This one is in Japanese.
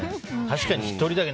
確かに１人だけ。